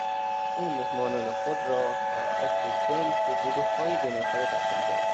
او مهمانان خود را بر حسب سن به گروههای دو نفری تقسیم کرد.